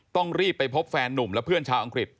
ต้องรีบไปพบแฟนนุ่มและเพื่อนชาวอังกฤษ